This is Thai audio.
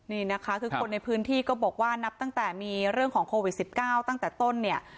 นี่นะคะคือคนในพื้นที่ก็บอกว่านับตั้งแต่มีเรื่องของโควิด๑๙ตั้งแต่ต้นเนี่ย